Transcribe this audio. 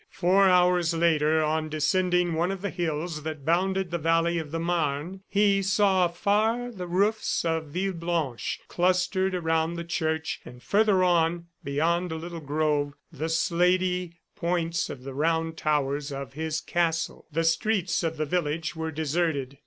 Four hours later, on descending one of the hills that bounded the valley of the Marne, he saw afar the roofs of Villeblanche clustered around the church, and further on, beyond a little grove, the slatey points of the round towers of his castle. The streets of the village were deserted.